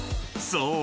［そう。